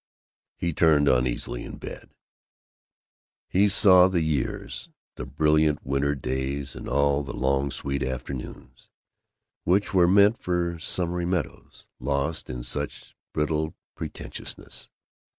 He turned uneasily in bed. He saw the years, the brilliant winter days and all the long sweet afternoons which were meant for summery meadows, lost in such brittle pretentiousness.